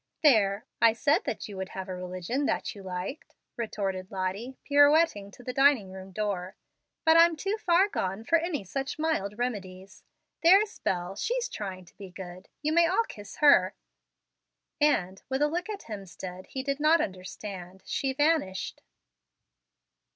"There, I said that you would have a religion you liked," retorted Lottie, pirouetting to the dining room door. "But I'm too far gone for any such mild remedies. There's Bel, she's trying to be good. You may all kiss her"; and, with a look at Hemstead he did not understand, she vanished.